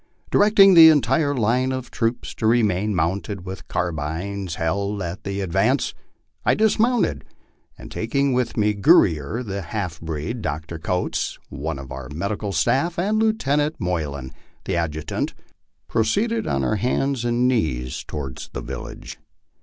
Directing the entire line of troopers to remain mounted with carbines held at the * advance," I dismounted, and taking with me Gurrier, the half breed, Dr. Coates, one of our medical staff, and Lieutenant Moylan, the adjutant, pro ceeded on our hands and knees toward the village.